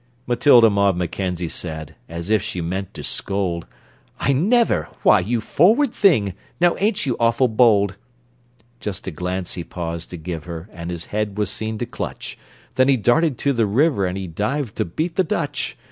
Matilda Maud Mackenzie said, as if she meant to scold: "I never! Why, you forward thing! Now ain't you awful bold!" Just a glance he paused to give her, And his head was seen to clutch, Then he darted to the river, And he dived to beat the Dutch!